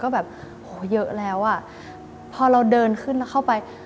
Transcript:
ก็แบบโหเยอะแล้วอ่ะพอเราเดินขึ้นแล้วเข้าไป